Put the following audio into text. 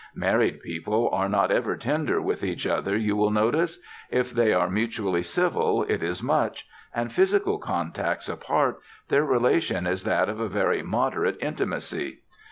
Married people are not ever tender with each other, you will notice: if they are mutually civil it is much: and physical contacts apart, their relation is that of a very moderate intimacy.